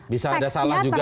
bisa ada salah juga